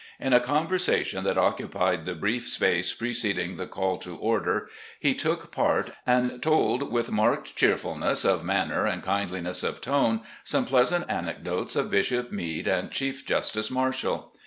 In a conversation that occupied the brief space preceding the call to order, he took part, and told with marked cheerfulness of manner and kindli ness of tone some pleasant anecdotes of Bishop Meade and Chief Justice Marshall.